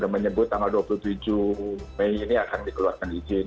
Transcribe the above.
dua puluh tujuh mei ini akan dikeluarkan izin